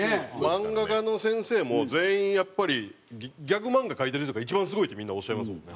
漫画家の先生も全員やっぱり「ギャグ漫画描いてる人が一番すごい」ってみんなおっしゃいますもんね。